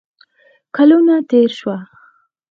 کلونه تیر شوه